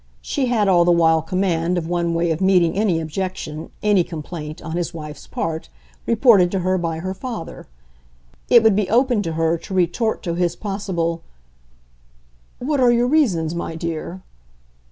She had all the while command of one way of meeting any objection, any complaint, on his wife's part, reported to her by her father; it would be open to her to retort to his possible "What are your reasons, my dear?"